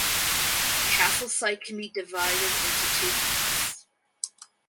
The castle site can be divided into two parts.